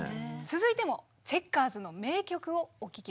続いてもチェッカーズの名曲をお聴き下さい。